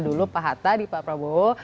dulu pak hatta di pak prabowo